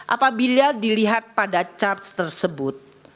apabila dilihat pada charge tersebut